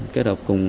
kết hợp cùng